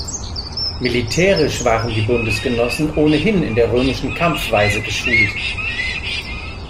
Militärisch waren die Bundesgenossen ohnehin in der römischen Kampfweise geschult.